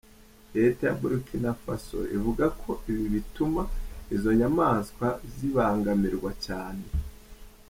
Leta ya Burkina Faso ivuga ko ibi bituma izo nyamaswa zibangamirwa cyane.